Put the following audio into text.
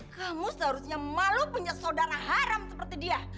kamu seharusnya malu punya saudara haram seperti dia